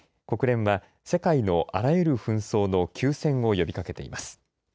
国連は世界のあらゆる紛争の休戦を呼びかけています。